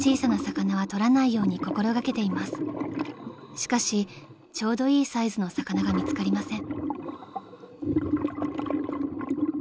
［しかしちょうどいいサイズの魚が見つかりません］